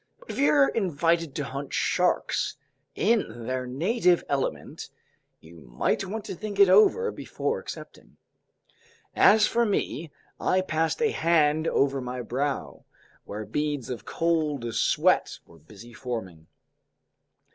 But if you're invited to hunt sharks in their native element, you might want to think it over before accepting. As for me, I passed a hand over my brow, where beads of cold sweat were busy forming.